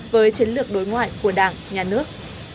với chiến lược đối ngoại của đảng nhà nước